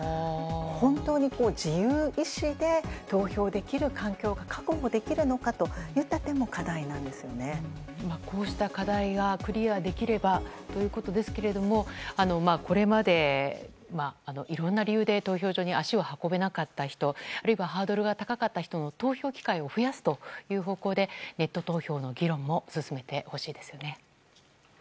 本当に自由意志で投票できる環境が確保できるのかというのもこうした課題がクリアできればということですけれどもこれまでいろいろな理由で投票所に足を運べなかった人あるいはハードルが高かった人の投票機会を増やすという方向でネット投票の議論も進めてほしいですね。